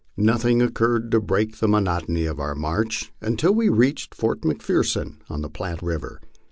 Nothing occurred to break the monotony of our march until we reached Fort McPherson, on the Platte river.